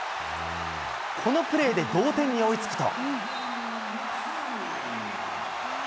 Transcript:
このプレーで同点に追いつくと。